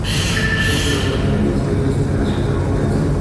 Entre los contendientes debe existir una cierta confianza.